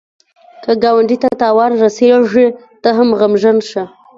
که ګاونډي ته تاوان ورسېږي، ته هم غمژن شه